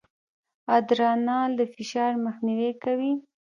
ادرانال د فشار مخنیوی کوي.